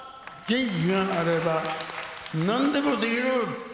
元気があればなんでもできる。